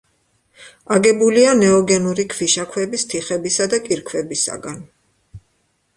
აგებულია ნეოგენური ქვიშაქვების, თიხებისა და კირქვებისაგან.